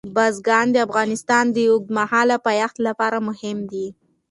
بزګان د افغانستان د اوږدمهاله پایښت لپاره مهم دي.